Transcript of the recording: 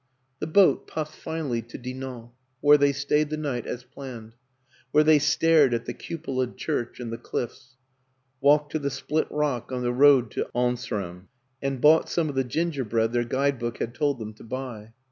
The boat puffed finally to Dinant, where they stayed the night as planned; where they stared at the cupolaed church and the cliffs, walked to the split rock on the road to Anseremme, and bought some of the gingerbread their guide book had told them to buy.